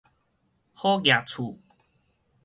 好額厝